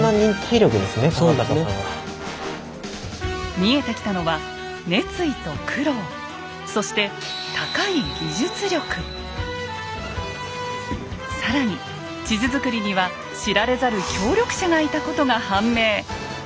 見えてきたのは熱意と苦労そして更に地図作りには知られざる協力者がいたことが判明！